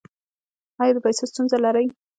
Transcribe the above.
ایا د پیسو ستونزه لرئ؟